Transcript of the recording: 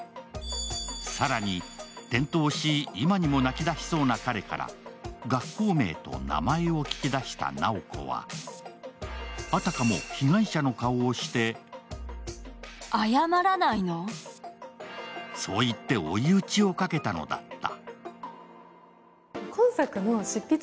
更に転倒し今にも泣き出しそうな彼から学校名と名前を聞き出した直子は、あたかも被害者の顔をしてそう言って追い打ちをかけたのだった。